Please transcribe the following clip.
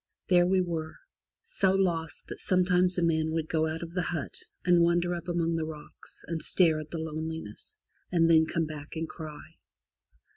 There we were, so lost that sometimes a man would go out of the hut and wander up among the rocks, and stare at the loneliness, and then come back and cry.